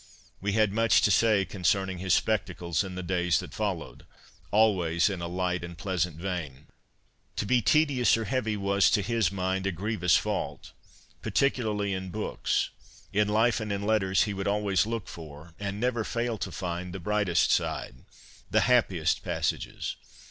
We had much to say concerning his spectacles in the days that followed — always in a light and pleasant vein. To be tedious or heavy was, to his mind, a grievous fault, particularly in books. In life and in letters he would always look for, and never fail to find, the brightest side, the happiest passages.